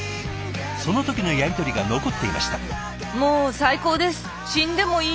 その時のやり取りが残っていました。